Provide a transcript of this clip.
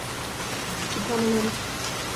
Сита, манам!